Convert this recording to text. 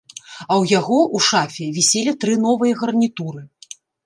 А ў яго ў шафе віселі тры новыя гарнітуры.